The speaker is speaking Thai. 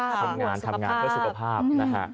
ทำงานเพื่อสุขภาพ